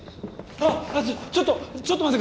あっちょっとちょっと待ってください！